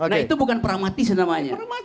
nah itu bukan pragmatis namanya